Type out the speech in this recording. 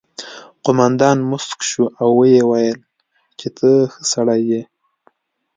قومندان موسک شو او وویل چې ته ښه سړی یې